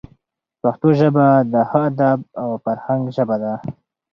پښتو ژبه د ښه ادب او فرهنګ ژبه ده.